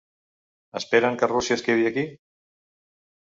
Esperen que Rússia es quedi aquí?